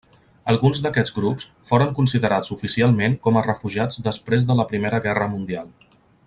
Alguns d'aquests grups foren considerats oficialment com a refugiats després de la Primera Guerra Mundial.